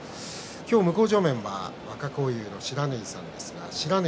向正面は若荒雄の不知火さんです。